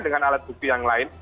dengan alat bukti yang lain